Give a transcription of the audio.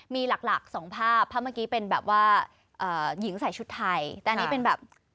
มีหลักหลักสองภาพภาพเมื่อกี้เป็นแบบว่าหญิงใส่ชุดไทยแต่อันนี้เป็นแบบ